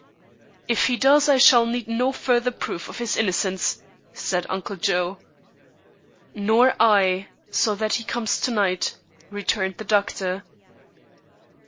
"If he does, I shall need no further proof of his innocence," said Uncle Joe. "Nor I, so that he comes to night," returned the doctor.